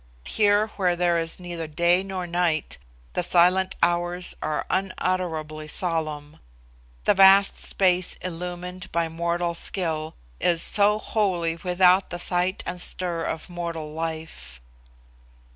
Here, where there is neither day nor night, the Silent Hours are unutterably solemn the vast space illumined by mortal skill is so wholly without the sight and stir of mortal life.